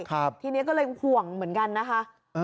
ทีนี้ก็เลยห่วงเหมือนกันนะคะ